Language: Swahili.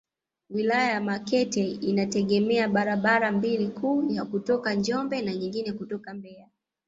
Wilaya ya Makete inategemea barabara mbili kuu ya kutoka Njombe na nyingine kutoka Mbeya